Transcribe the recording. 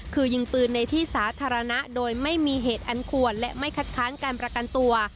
คือยิงปืนในที่สาธารณะโดยไม่มีเหตุอันควรและไม่คัดค้านการประกันตัว